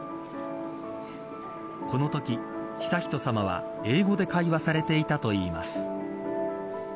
このとき悠仁さまは英語で会話されていたといいます。